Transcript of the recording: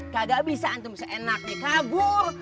kagak bisa antum seenaknya kabur